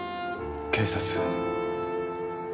警察。